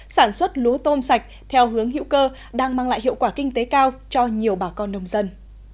sản xuất lúa tôm sạch theo hướng hữu cơ đang mang lại hiệu quả kinh tế cao cho nhiều bà con nông dân